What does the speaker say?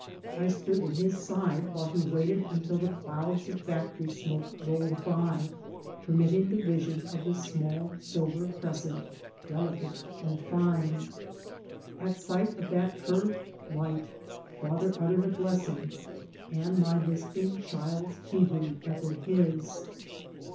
I stood at his side while he waited until the clouds of factory smoke rolled by, permitting the vision of the small silver crescent, delicate and line. At sight of that curved light father uttered a blessing and my lisping child's Hebrew echoed his.